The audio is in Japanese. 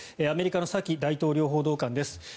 アメリカのサキ大統領報道官です。